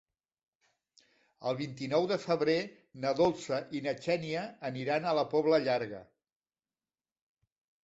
El vint-i-nou de febrer na Dolça i na Xènia aniran a la Pobla Llarga.